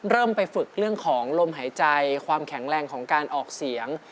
เริ่มไปฝึกเรื่องของลมหายใจความแข็งแรงของการออกเสียง